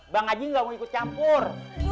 bang aji gak mau ikut campur